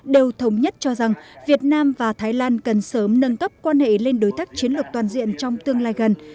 đều thống nhất cho rằng việt nam và thái lan cần sớm nâng cấp quan hệ lên đối tác chiến lược toàn diện trong tương lai gần